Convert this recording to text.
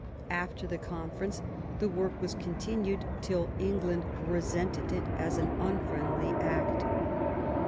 After the conference the work was continued till England resented it as an unfriendly act.